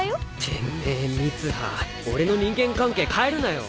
てめぇ三葉俺の人間関係変えるなよ。